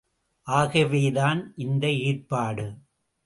ஆகவேதான் இந்த ஏற்பாடு.